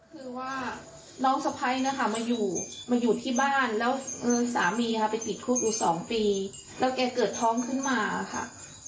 คือว่าน้องสะพ้ายนะคะมาอยู่มาอยู่ที่บ้านแล้วสามีค่ะไปติดคุกอยู่สองปีแล้วแกเกิดท้องขึ้นมาค่ะ